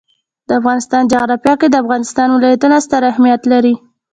د افغانستان جغرافیه کې د افغانستان ولايتونه ستر اهمیت لري.